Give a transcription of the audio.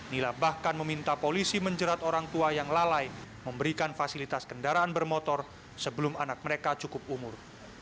nila bahkan meminta polisi menjerat orang tua yang lalai memberikan fasilitas kendaraan bermotor sebelum anak mereka cukup umur